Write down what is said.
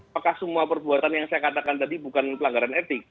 apakah semua perbuatan yang saya katakan tadi bukan pelanggaran etik